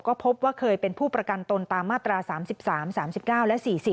ก็พบว่าเคยเป็นผู้ประกันตนตามมาตรา๓๓๙และ๔๐